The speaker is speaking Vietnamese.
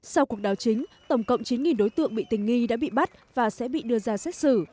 sau cuộc đảo chính tổng cộng chín đối tượng bị tình nghi đã bị bắt và sẽ bị đưa ra xét xử